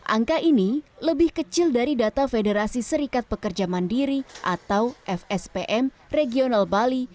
angka ini lebih kecil dari data federasi serikat pekerja mandiri atau fspm regional bali